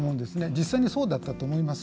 実際にそうだったと思います。